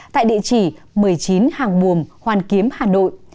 tại địa chỉ một mươi chín hàng mùm hoàn kiếm hà nội